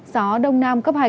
gió đông nam cấp hai ba